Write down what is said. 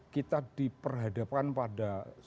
kita diperhadapkan pada